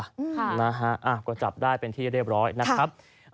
ค่ะนะฮะอ้าวก็จับได้เป็นที่เรียบร้อยนะครับ